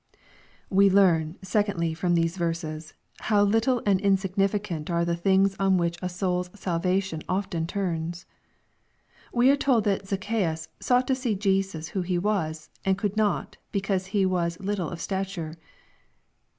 ^ We learn, secondly, from these verses, how Utile and \ i insignificant are the things on which a soul's salvation often turns. We are told that ZacchaBUs " sought to see Jesus^ho he was ; and could not, because he was little of stature."